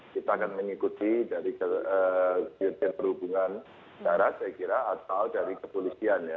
kita akan mengikuti dari dirjen perhubungan darat saya kira atau dari kepolisian ya